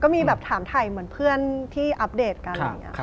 ก็มีแบบถามถ่ายเหมือนเพื่อนที่อัพเดทกัน